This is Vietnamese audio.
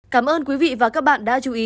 cảm ơn quý vị và các bạn đã chú ý